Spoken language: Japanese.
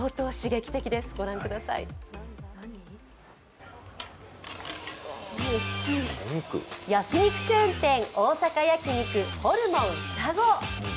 焼き肉チェーン店、大阪焼肉・ホルモンふたご。